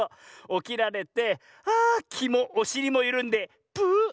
おきられてあきもおしりもゆるんでプーッ。